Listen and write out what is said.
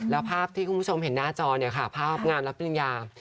แล้วภาพที่คุณผู้ชมเห็นหน้าจอเนี่ยค่ะภาพงานรับปริญญา